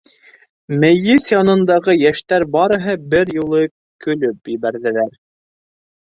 Мейес янындағы йәштәр барыһы бер юлы көлөп ебәрҙеләр.